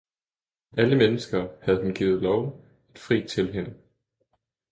Alle mennesker havde hun givet lov at fri til hende.